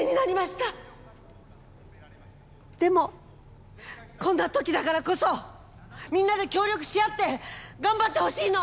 でもこんな時だからこそみんなで協力し合って頑張ってほしいの。